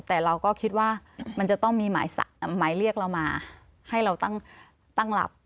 แต่เราก็คิดว่ามันจะต้องมีหมายเรียกเรามาให้เราตั้งหลับ